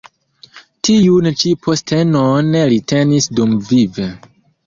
Tiun ĉi postenon li tenis dumvive.